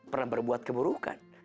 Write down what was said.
pernah berbuat keburukan